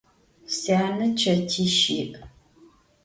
Syane çetiş yi'.